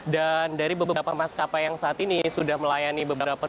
dan dari beberapa maskapai yang saat ini sudah melayani